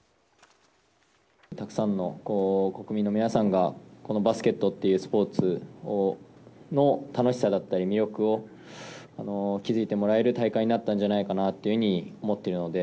たくさんの国民の皆さんが、このバスケットというスポーツの楽しさだったり、魅力を、気付いてもらえる大会になったんじゃないかなと思っているので。